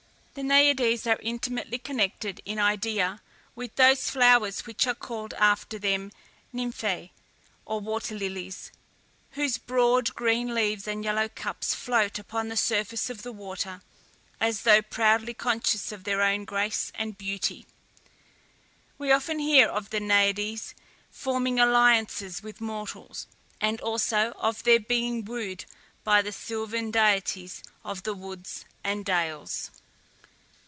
The Naiades are intimately connected in idea with those flowers which are called after them Nymphæ, or water lilies, whose broad, green leaves and yellow cups float upon the surface of the water, as though proudly conscious of their own grace and beauty. We often hear of the Naiades forming alliances with mortals, and also of their being wooed by the sylvan deities of the woods and dales.